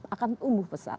akan umuh besar